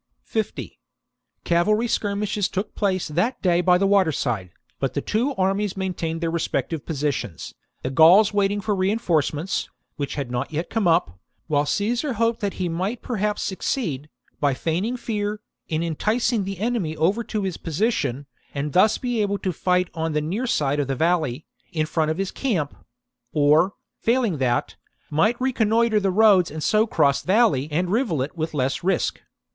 50. Cavalry skirmishes took place that day by the water side, but the two armies maintained their respective positions, the Gauls waiting for reinforcements, which had not yet come up, while ^ See C. E. C. Schneider's ed. , vol. ii. p. 164. V QUINTUS CICERO AT BAY 163 Caesar hoped that he might perhaps succeed, by 54B.C. feigning fear, in enticing the enemy over to his position, and thus be able to fight on the near side of the valley, in front of his camp ; or, failing that, might reconnoitre the roads and so cross valley ,and rivulet with less risk.